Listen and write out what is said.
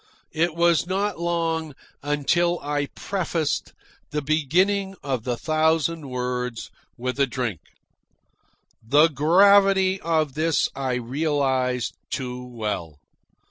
It was not long until I prefaced the beginning of the thousand words with a drink. The gravity of this I realised too well.